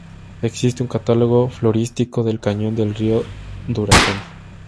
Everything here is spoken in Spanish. Existe un Catálogo florístico del cañón del río Duratón.